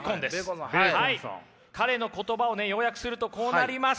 彼の言葉をね要約するとこうなります。